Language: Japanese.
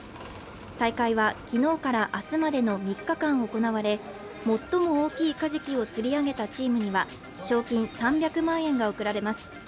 大会は昨日から明日までの３日間行われ、最も大きいカジキを釣り上げたチームには賞金３００万円が贈られます。